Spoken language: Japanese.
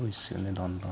だんだん。